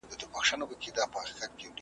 پر راتللو د زمري کورته پښېمان سو ,